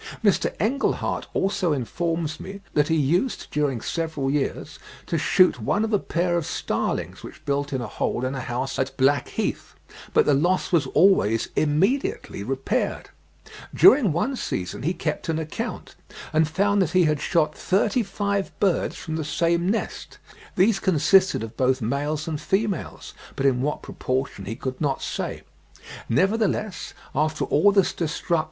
Mr. Engleheart also informs me that he used during several years to shoot one of a pair of starlings which built in a hole in a house at Blackheath; but the loss was always immediately repaired. During one season he kept an account, and found that he had shot thirty five birds from the same nest; these consisted of both males and females, but in what proportion he could not say: nevertheless, after all this destruction, a brood was reared.